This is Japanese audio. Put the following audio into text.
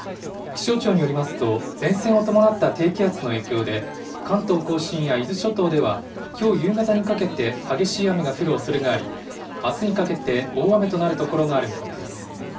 気象庁によりますと、前線を伴った低気圧の影響で、関東甲信や伊豆諸島では、きょう夕方にかけて、激しい雨が降るおそれがあり、あすにかけて大雨となる所がある見込みです。